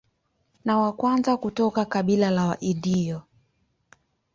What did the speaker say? Ni wa kwanza kutoka makabila ya Waindio.